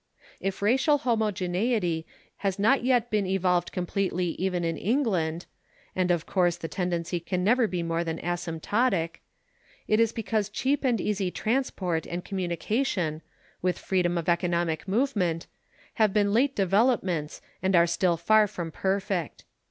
If racial homogeneity has not yet been evolved completely even in England and, of course, the tendency can never be more than asymptotic it is because cheap and easy transport and communication, with freedom of economic movement, have been late developments and are still far from perfect.